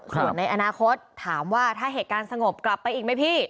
ส่วนในอนาคตถามว่าถ้าเหตุการณ์สงบกลับไปอีกไหมพี่